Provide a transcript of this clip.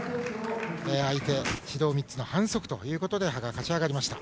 相手、指導３つの反則で羽賀が勝ち上がりました。